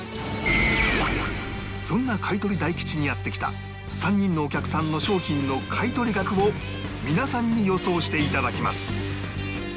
そんな買取大吉にやって来た３人のお客さんの商品の買取額を皆さんに予想していただきます